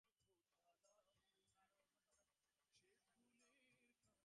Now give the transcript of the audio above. নফল হজ অন্য কারও বদলি হজের নিয়তে আদায় করলে তা ও হবে।